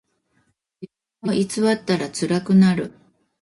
自分を偽ったらつらくなる。